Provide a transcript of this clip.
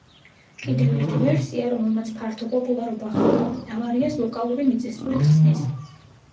კიდევ ერთი ვერსია, რომელმაც ფართო პოპულარობა ჰპოვა, ავარიას ლოკალური მიწისძვრით ხსნის.